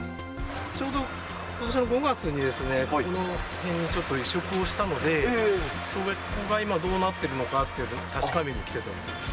ちょうどことしの５月にですね、この辺にちょっと移植をしたので、それが今、どうなってるのかっていうのを確かめに来てたんです。